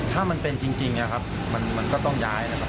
ถ้ามันเป็นจริงนะครับมันก็ต้องย้ายนะครับ